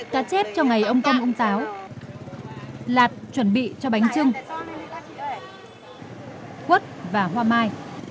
cá chết cho ngày ông tâm ông táo lạt chuẩn bị cho bánh trưng quất và hoa mai